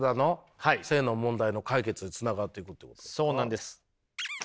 そうなんです。